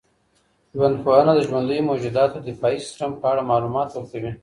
ژوندپوهنه د ژوندیو موجوداتو د دفاعي سیسټم په اړه معلومات ورکوي.